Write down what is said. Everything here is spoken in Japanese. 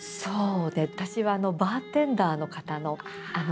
私はあのバーテンダーの方のあの声。